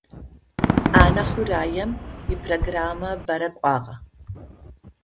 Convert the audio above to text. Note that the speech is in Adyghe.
Ӏэнэ хъураем ипрограммэ бэрэ кӏуагъэ.